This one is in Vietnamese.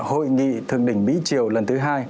hội nghị thường đỉnh mỹ triều lần thứ hai